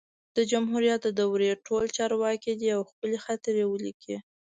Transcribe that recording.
د جمهوریت د دورې ټول چارواکي دي او خپلي خاطرې ولیکي